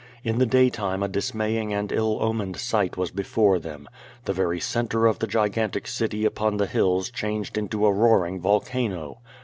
In the daytime a dismaying and ill omened sight was before them. The very centre of the gigantic city upon the hills changed into a roaring volcano.